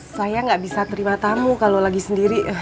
saya nggak bisa terima tamu kalau lagi sendiri